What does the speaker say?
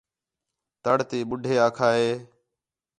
تڑ تے ٻُڈّھے آکھا ہِے